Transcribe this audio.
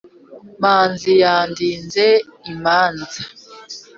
manzi yandinze imanza,